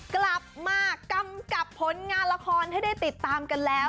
กลับมากำกับผลงานละครให้ได้ติดตามกันแล้ว